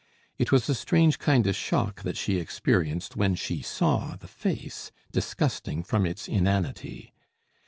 It was a strange kind of shock that she experienced when she saw the face, disgusting from its inanity.